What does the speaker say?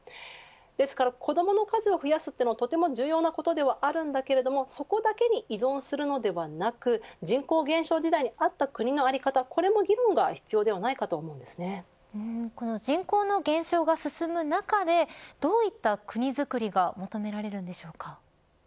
ですから子どもの数を増やすというのはとても重要なことではあるんですけれどもそこだけに依存するのではなく人口減少時代にあった国の在り方人口の減少が進む中でどういった国づくりが求められるんでしょうか。